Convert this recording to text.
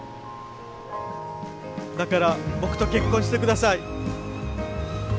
だから僕と結婚してください。